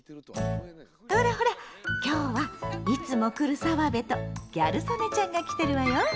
ほらほら今日はいつも来る澤部とギャル曽根ちゃんが来てるわよ！